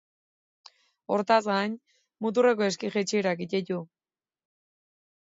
Horrez gain, muturreko eski-jaitsierak egiten ditu.